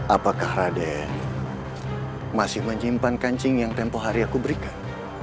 apakah raden masih menyimpan kancing yang tempoh hari aku berikan